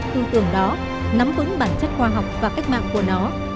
tư tưởng đó nắm vững bản chất khoa học và cách mạng của nó